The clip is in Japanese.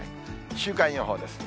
週間予報です。